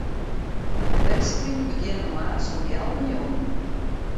De wedstriden begjinne moarns om healwei njoggenen.